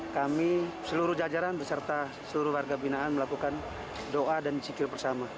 kami seluruh jajaran beserta seluruh warga binaan melakukan doa dan zikir bersama